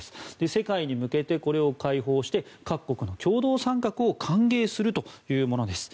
世界に向けてこれを開放して各国の共同参画を歓迎するというものです。